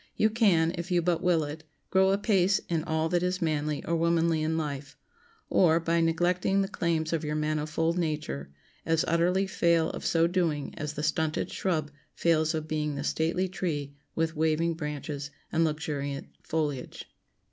You can, if you but will it, grow apace in all that is manly or womanly in life; or, by neglecting the claims of your manifold nature, as utterly fail of so doing as the stunted shrub fails of being the stately tree with waving branches and luxuriant foliage.